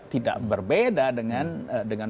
tidak berbeda dengan